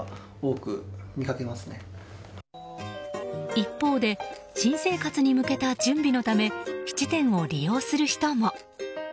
一方で、新生活に向けた準備のため質店を利用する人も。